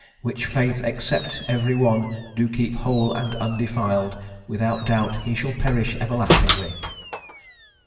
Which Faith except every one do keep whole and undefiled, without doubt he shall perish everlastingly."